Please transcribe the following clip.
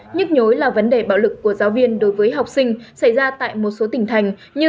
nhức nhối là vấn đề bạo lực của giáo viên đối với học sinh xảy ra tại một số tỉnh thành như